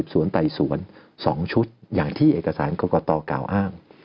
สวนไต่สวน๒ชุดอย่างที่เอกสารกรกตกล่าวอ้าง